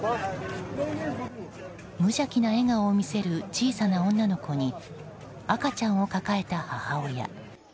無邪気な笑顔を見せる小さな女の子に赤ちゃんを抱えた母親。